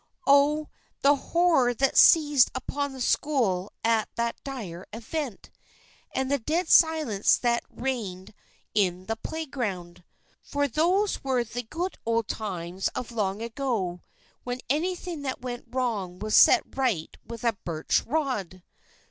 Oh, the horror that seized upon the school at that dire event! and the dead silence that reigned in that playground! For those were the good old times of long ago when anything that went wrong was set right with a birch rod.